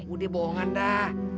udah bohongan dah